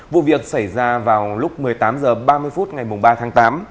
vụ việc xảy ra vào lúc một mươi tám h ba mươi phút ngày ba tháng tám